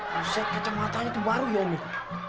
konsep kacamata itu baru ya ini